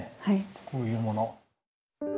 こういうもの。